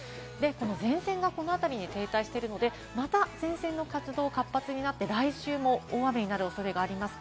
前線がこの辺りに停滞しているので、また前線の活動が活発になって来週も大雨になる恐れがあります。